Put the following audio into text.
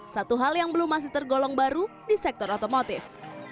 satu hal yang belum masih tergolong baru di sektor otomotif